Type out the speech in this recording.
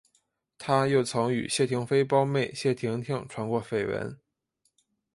他又曾与谢霆锋胞妹谢婷婷传过绯闻。